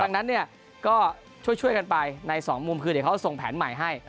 ดังนั้นก็ช่วยกันไปในสองมุมคือเดี๋ยวเขาส่งแผนใหม่ให้